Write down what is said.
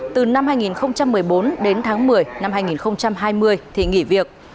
từ năm hai nghìn một mươi bốn đến tháng một mươi năm hai nghìn hai mươi thì nghỉ việc